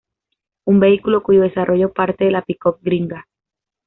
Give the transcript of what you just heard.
Un vehículo cuyo desarrollo parte de la pick up Gringa.